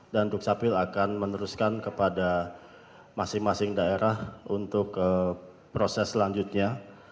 dan duk sapil akan meneruskan kepada masing masing daerah untuk proses selanjutnya